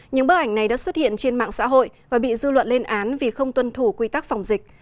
những bức ảnh này đã xuất hiện trên mạng xã hội và bị dư luận lên án vì không tuân thủ quy tắc phòng dịch